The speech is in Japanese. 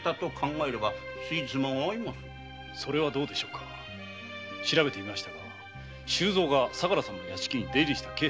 それはどうでしょうか調べてみましたが周蔵が相良様の屋敷に出入りしていた気配はございません。